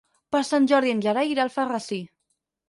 Per Sant Jordi en Gerai irà a Alfarrasí.